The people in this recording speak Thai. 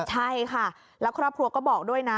ใช่ค่ะแล้วครอบครัวก็บอกด้วยนะ